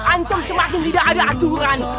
antum semakin tidak ada aturan